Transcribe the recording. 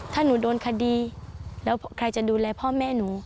ถ้าหนูโดนคดีแล้วใครจะดูแลพ่อแม่หนู